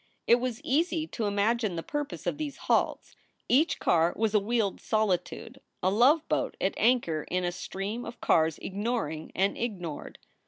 It was easy to imagine the purpose of these halts. Each car was a wheeled solitude, a love boat at anchor in a stream of cars ignoring and ignored.